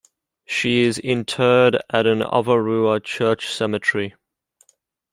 She is interred at an Avarua church cemetery.